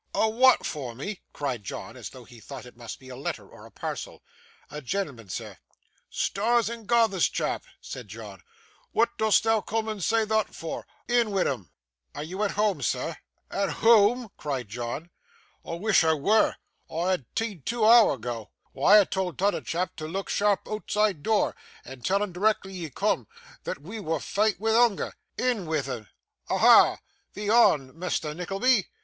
'A wa'at for me?' cried John, as though he thought it must be a letter, or a parcel. 'A gen'l'man, sir.' 'Stars and garthers, chap!' said John, 'wa'at dost thou coom and say thot for? In wi' 'un.' 'Are you at home, sir?' 'At whoam!' cried John, 'I wish I wur; I'd ha tea'd two hour ago. Why, I told t'oother chap to look sharp ootside door, and tell 'un d'rectly he coom, thot we war faint wi' hoonger. In wi' 'un. Aha! Thee hond, Misther Nickleby.